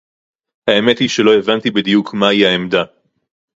האמת היא שלא הבנתי בדיוק מהי העמדה